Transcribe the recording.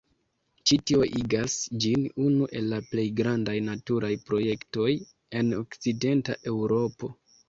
Ĉi tio igas ĝin unu el la plej grandaj naturaj projektoj en Okcidenta Eŭropo.